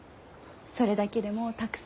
それだけでもうたくさん。